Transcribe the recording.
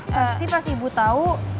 tapi pas ibu tau